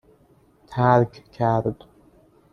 ترک کرد